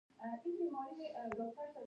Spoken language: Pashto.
هوسونه په بغاوت او طغیان اوړي.